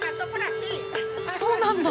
そうなんだ！